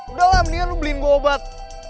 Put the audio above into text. udahlah mendingan lu beliin gua obat